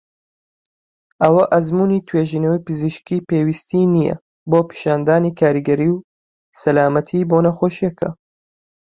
ئەوە ئەزموونی توێژینەوەی پزیشکی پێویستی نیە بۆ پیشاندانی کاریگەری و سەلامەتی بۆ نەخۆشیەکە.